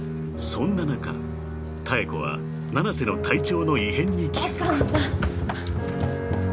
［そんな中妙子は七瀬の体調の異変に気付く］